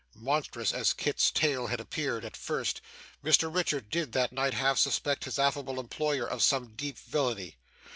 Monstrous as Kit's tale had appeared, at first, Mr Richard did, that night, half suspect his affable employer of some deep villany.